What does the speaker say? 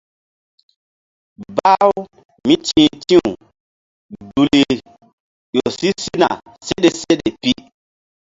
Bah-u mí ti̧h ti̧w duli ƴo si sina seɗe seɗe pi.